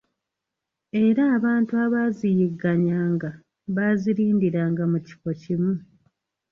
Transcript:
Era abantu abaaziyigganyanga baazirindiranga mu kifo kimu.